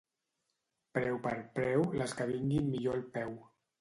Preu per preu, les que vinguin millor al peu.